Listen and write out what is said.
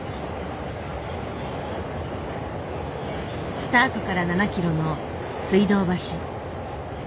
スタートから７キロの水道橋。